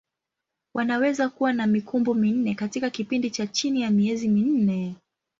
Wanaweza kuwa na mikumbo minne katika kipindi cha chini ya miezi minne.